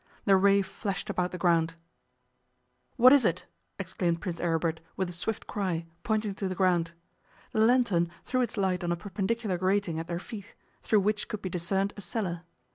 The ray flashed about the ground. 'What is it?' exclaimed Prince Aribert with a swift cry, pointing to the ground. The lantern threw its light on a perpendicular grating at their feet, through which could be discerned a cellar.